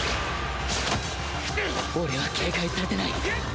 俺は警戒されてない。